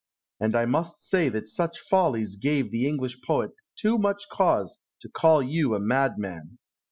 And I must say that such follies gave the English poet too much cause to call you a madman.